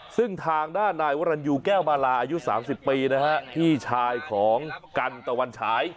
ซึ่งทางด้านนายวรรณยูแก้วมาลาอายุ๓๐ปีนะฮะพี่ชายของกันตะวันฉาย